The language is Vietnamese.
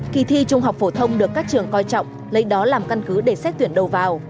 kỳ thi trung học phổ thông được các trường coi trọng lấy đó làm căn cứ để xét tuyển đầu vào